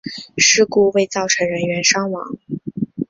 事故未造成人员伤亡。